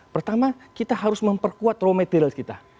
pertama kita harus memperkuat raw materials kita